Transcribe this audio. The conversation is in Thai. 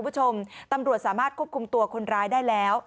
ตำรวจสามารถควบคุมตัวกับคนร้ายได้แล้ว